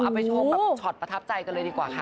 ไปชมแบบช็อตประทับใจกันเลยดีกว่าค่ะ